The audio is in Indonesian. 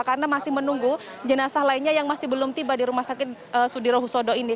karena masih menunggu jenazah lainnya yang masih belum tiba di rumah sakit sudirohusodon ini